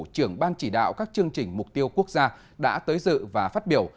trưởng ban chỉ đạo các chương trình mục tiêu quốc gia đã tới dự và phát biểu